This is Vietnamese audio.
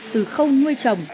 từ không nuôi chồng đến trẻ